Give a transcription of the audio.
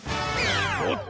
おっと！